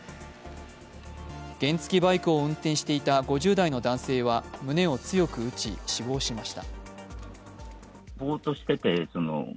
原付きバイクを運転していた５０代の男性は、胸を強く打ち死亡しました。